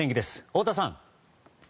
太田さん。